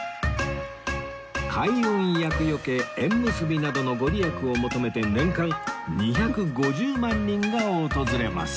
開運厄除け縁結びなどのご利益を求めて年間２５０万人が訪れます